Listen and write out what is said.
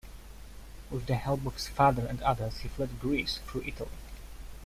With the help of his father and others he fled Greece through Italy.